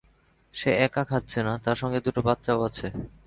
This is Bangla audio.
সে একা খাচ্ছে না, তার সঙ্গে দুটো বাচ্চাও আছে।